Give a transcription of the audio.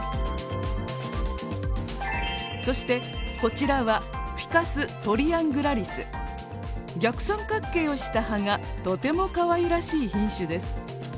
そしてこちらは逆三角形をした葉がとてもかわいらしい品種です。